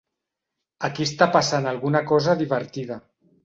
Aquí està passant alguna cosa divertida.